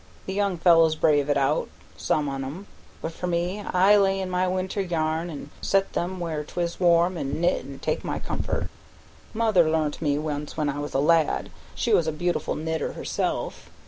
The young fellows braves it out, some on 'em; but, for me, I lay in my winter's yarn an' set here where 'tis warm, an' knit an' take my comfort. Mother learnt me once when I was a lad; she was a beautiful knitter herself.